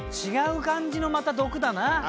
違う感じのまた毒だな。